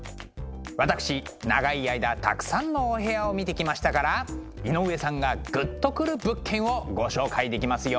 私長い間たくさんのお部屋を見てきましたから井上さんがグッとくる物件をご紹介できますよ。